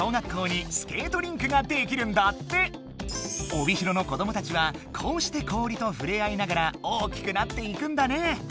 帯広の子どもたちはこうして氷とふれあいながら大きくなっていくんだね。